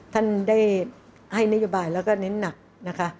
ท่านได้ให้นโยบายแล้วก็เน้นหนักนะคะ